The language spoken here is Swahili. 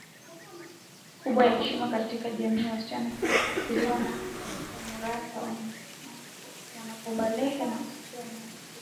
kubwa na heshima katika jamiiWasichana pia hutahiriwa emorata wanapobalehe na hupewa maelekezo na